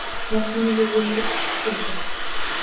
Mashinaga yelka tutib turdi.